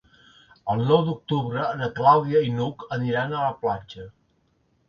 El nou d'octubre na Clàudia i n'Hug aniran a la platja.